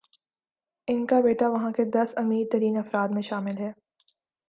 ان کا بیٹا وہاں کے دس امیرترین افراد میں شامل ہے۔